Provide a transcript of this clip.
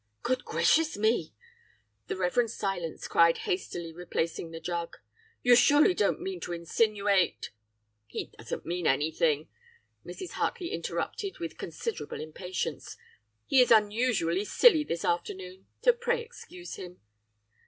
"'Good gracious me!' the Rev. Silas cried hastily replacing the jug. 'You surely don't mean to insinuate ' "'He doesn't mean anything!' Mrs. Hartley interrupted with considerable impatience, 'he is unusually silly this afternoon so pray excuse him!